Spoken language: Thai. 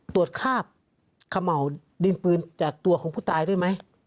คาบเขม่าวดินปืนจากตัวของผู้ตายด้วยไหม